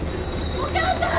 お母さん？